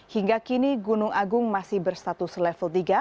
hingga kini gunung agung masih berstatus level tiga